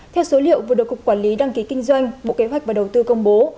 theo số liệu vừa được cục quản lý đăng ký kinh doanh bộ kế hoạch và đầu tư công bố